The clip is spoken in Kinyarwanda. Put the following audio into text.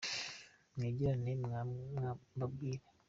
mwegerane mbabwire.